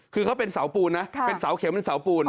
คือเขาเป็นเสาปูนนะเป็นเสาเข็มเป็นเสาปูน